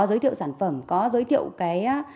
giới thiệu sản phẩm có giới thiệu cái